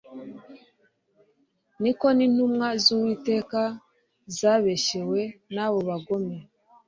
niko n'intumwa z'Uwiteka zabeshyewe n'abo bagome.